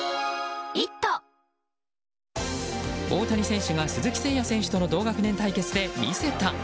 大谷選手が、鈴木誠也選手との同学年対決で見せた！